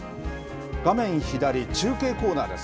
画面左、中継コーナーです。